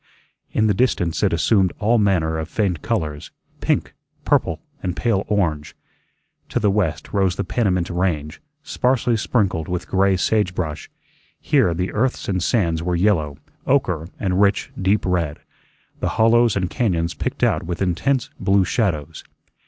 In the distance it assumed all manner of faint colors, pink, purple, and pale orange. To the west rose the Panamint Range, sparsely sprinkled with gray sagebrush; here the earths and sands were yellow, ochre, and rich, deep red, the hollows and cañóns picked out with intense blue shadows.